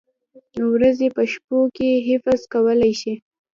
ورځې په شپو کې حذف کولای شي؟